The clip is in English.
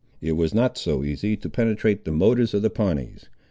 It was not so easy to penetrate the motives of the Pawnees.